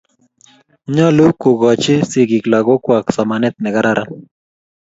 Nyalu kokochi sigik lagokwak somanet ne kararan